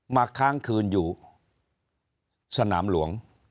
ค้างคืนอยู่สนามหลวง